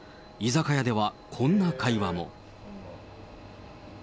居酒屋ではこんな会話も。